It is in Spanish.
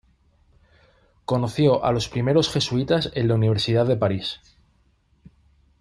Conoció a los primeros jesuitas en la Universidad de París.